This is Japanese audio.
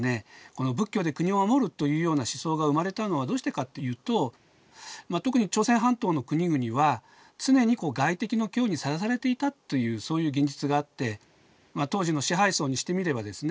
この仏教で国を護るというような思想が生まれたのはどうしてかっていうと特に朝鮮半島の国々は常に外敵の脅威にさらされていたというそういう現実があって当時の支配層にしてみればですね